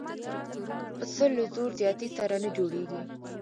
پسه له زور زیاتي سره نه جوړېږي.